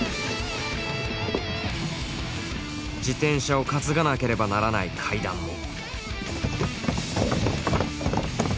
自転車を担がなければならない階段も。